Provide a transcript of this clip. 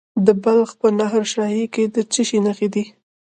د بلخ په نهر شاهي کې د څه شي نښې دي؟